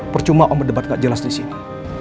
percuma om berdebat gak jelas disini